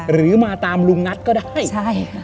หรือมาตามรุงนัดก็ได้